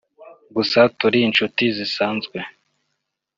gusa turi inshuti zisanzwe